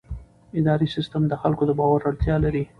اداري سیستم د خلکو د باور اړتیا لري.